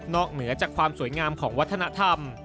เหนือจากความสวยงามของวัฒนธรรม